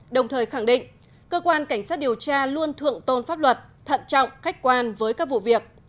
đồng thời khẳng định cơ quan cảnh sát điều tra luôn thượng tôn pháp luật thận trọng khách quan với các vụ việc